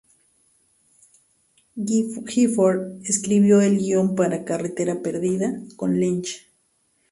Gifford escribió el guion para "Carretera perdida" con Lynch.